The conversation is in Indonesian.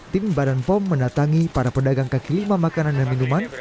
tim badan pom mendatangi para pedagang kaki lima makanan dan minuman